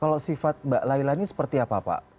kalau sifat mbak laila ini seperti apa pak